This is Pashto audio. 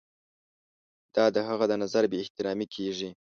دا د هغه د نظر بې احترامي کیږي.